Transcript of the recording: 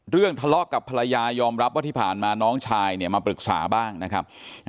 ทะเลาะกับภรรยายอมรับว่าที่ผ่านมาน้องชายเนี่ยมาปรึกษาบ้างนะครับ